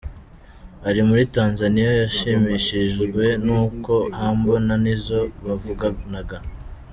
Ari muri Tanzaniya yashimishijwe n’uko Humble na Nizzo bavuganaga.